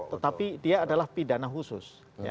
tetapi dia adalah pidana khusus